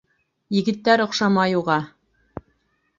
Егеттәр оҡшамай уға.